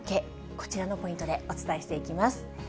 こちらのポイントでお伝えしていきます。